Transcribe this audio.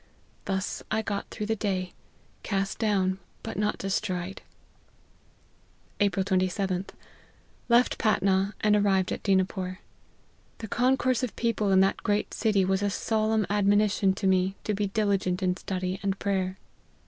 Thus I got through the day, cast down, but not destroyed." " April 27th. Left Patna and arrived at Dina pore. The concourse of people in that great city was a solemn admonition to me to be diligent in study and prayer.